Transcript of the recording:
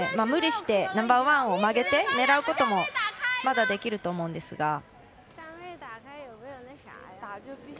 無理してナンバーワンを曲げて狙うこともまだできると思うんですが。